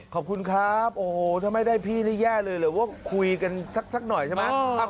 ขอบคุณครับโอ้โหถ้าไม่ได้พี่นี่แย่เลยหรือว่าคุยกันสักหน่อยใช่ไหม